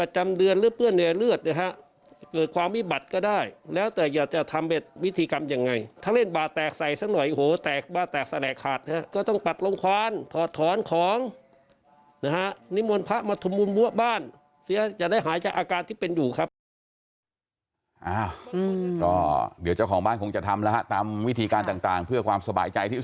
เจ้าของบ้านจะได้หายจากอาการที่เป็นอยู่ครับ